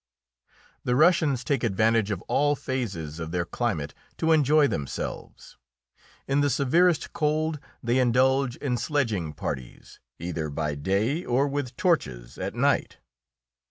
The Russians take advantage of all phases of their climate to enjoy themselves. In the severest cold they indulge in sledging parties, either by day or with torches at night.